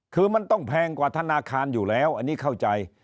คือมันต้องแพงกว่าธนาคารอยู่แล้วอันนี้เข้าใจ